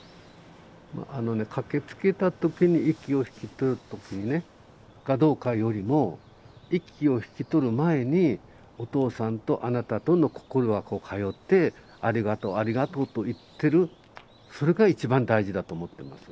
あのね駆けつけた時に息を引き取るかどうかよりも息を引き取る前にお父さんとあなたとの心がこう通って「ありがとうありがとう」と言ってるそれが一番大事だと思ってます。